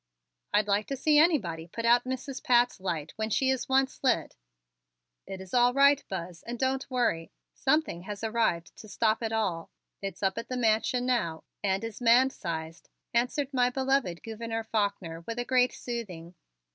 "I'd like to see anybody put out Mrs. Pat's light when she is once lit." "It's all right, Buzz, and don't worry. Something has arrived to stop it all. It's up at the Mansion now and is man sized," answered my beloved Gouverneur Faulkner with a great soothing.